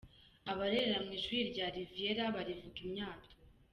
Abarerera mu ishyuri rya Riviera barivuga imyato.